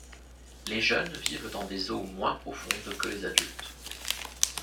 Les jeunes vivent dans des eaux moins profondes que les adultes.